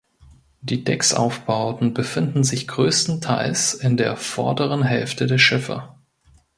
Die Decksaufbauten befinden sich größtenteils in der vorderen Hälfte der Schiffe.